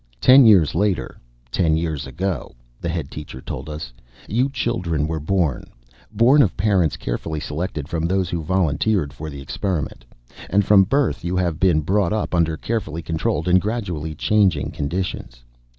"Ten years later, ten years ago," the Head Teacher told us, "you children were born. Born of parents carefully selected from those who volunteered for the experiment. And from birth you have been brought up under carefully controlled and gradually changing conditions.